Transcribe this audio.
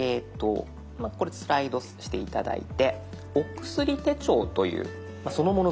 スライドして頂いて「お薬手帳」というそのもの